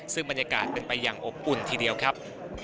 ซึ่งบรรยากาศเป็นไปอย่างอบอุ่นทีเดียวครับ